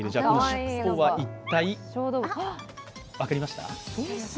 尻尾が一体分かりました？